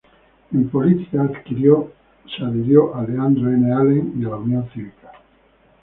En política, adhirió a Leandro N. Alem y la Unión Cívica.